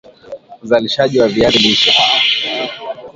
uzalishaji wa viazi lishe